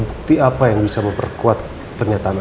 bukti apa yang bisa memperkuat pernyataan anda